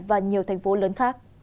và nhiều thành phố lớn khác